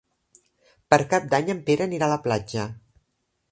Per Cap d'Any en Pere anirà a la platja.